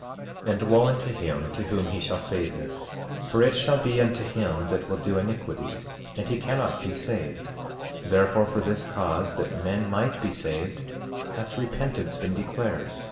12:22 And wo unto him to whom he shall say this, for it shall be unto him that will do iniquity, and he cannot be saved; therefore, for this cause, that men might be saved, hath repentance been declared.